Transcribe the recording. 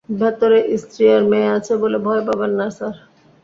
ভেতরে স্ত্রী আর মেয়ে আছে বলে ভয় পাবেন না স্যার।